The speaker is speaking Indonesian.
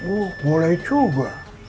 oh boleh juga